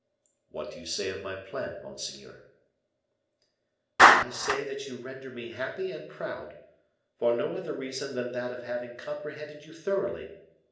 What do you say of my plan, monseigneur?" "I say that you render me happy and proud, for no other reason than that of having comprehended you thoroughly.